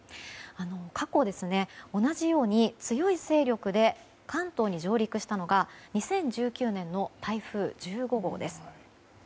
過去、同じように強い勢力で関東に上陸したのが２０１９年の台風１５号です。